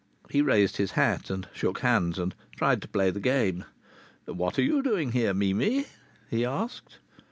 He raised his hat and shook hands and tried to play the game. "What are you doing here, Mimi?" he asked.